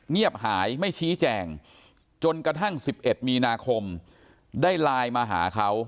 เงียบหายไม่ชี้แจงจนกระทั่ง๑๑มีนาคมได้ไลน์มาหาเขา